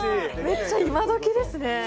めっちゃ今どきですね。